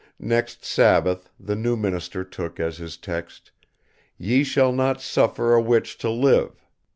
Next Sabbath the new minister took as his text: "Ye shall not suffer a witch to live."